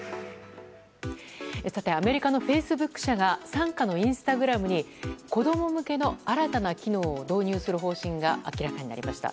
アメリカのフェイスブック社が傘下のインスタグラムに子供向けの新たな機能を導入する方針が明らかになりました。